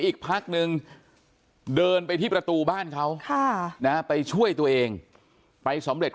อีกพักนึงเดินไปที่ประตูบ้านเขาไปช่วยตัวเองไปสำเร็จ